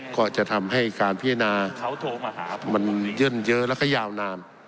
ก็จะทำให้การพิจารณามันเยื่อนเยอะและก็ยาวนาน